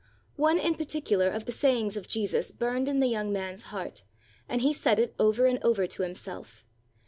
One in particular of the sayings of Jesus burned in the young man's heart, and he said it over and over to himself.